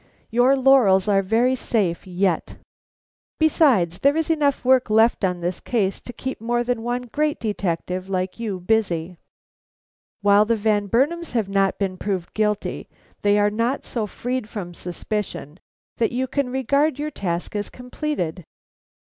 Your laurels are very safe yet. Besides, there is enough work left on this case to keep more than one great detective like you busy. While the Van Burnams have not been proved guilty, they are not so freed from suspicion that you can regard your task as completed.